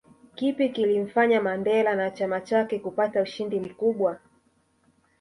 Kipi kilimfanya Mandela na chama chake kupata ushindi mkubwa